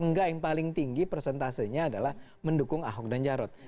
enggak yang paling tinggi persentasenya adalah mendukung ahok dan jarot